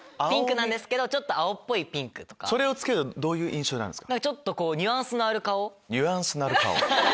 それをつけるとどういう印象になるんですか？